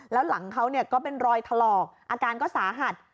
แล้วหลังเขาก็เป็นรอยถลอกอาการก็สาหัส